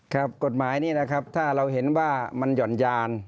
กฎหมายนี้นะครับถ้าเราเห็นว่ามันหย่อนยาน